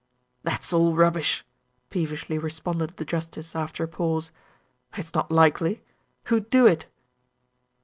"That's all rubbish!" peevishly responded the justice, after a pause. "It's not likely. Who'd do it?"